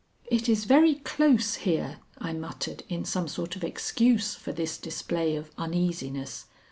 "It is very close here," I muttered, in some sort of excuse for this display of uneasiness.